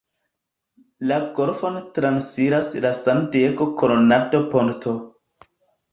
La golfon transiras la San-Diego–Coronado Ponto.